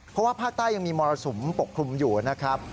เพราะว่าภาคใต้ยังมีมรสุมปกคลุมอยู่นะครับ